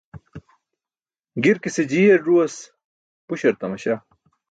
Girkise jiyar ẓuwas buśar tamaśa.